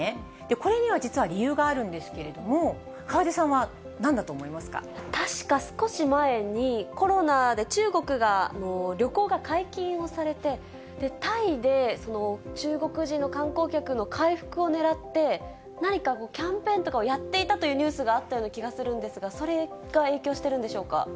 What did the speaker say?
これには実は理由があるんですけれども、確か少し前に、コロナで中国が、旅行が解禁をされて、タイで中国人の観光客の回復をねらって、何かキャンペーンとかをやっていたというニュースがあったような気がするんですが、それが影響してるんでしょうか。